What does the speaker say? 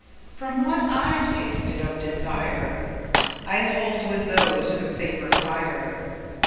From what I've tasted of desireI hold with those who favor fire.